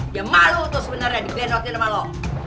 dia malu tuh sebenernya di gendotin sama lo